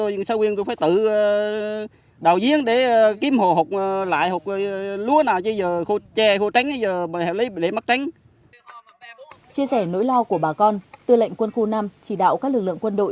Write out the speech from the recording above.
chia sẻ nỗi lo của bà con tư lệnh quân khu năm chỉ đạo các lực lượng quân đội